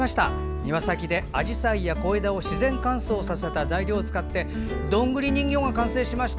庭先であじさいや小枝を自然乾燥させた材料をつかってどんぐり人形が完成しました。